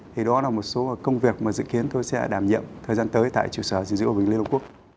thì đó là một số công việc mà dự kiến tôi sẽ đảm nhiệm thời gian tới tại trụ sở giữ dữ của liên hợp quốc